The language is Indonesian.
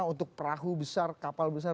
untuk perahu besar kapal besar